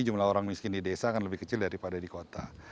jumlah orang miskin di desa akan lebih kecil daripada di kota